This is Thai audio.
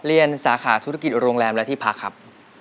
สาขาธุรกิจโรงแรมและที่พักครับ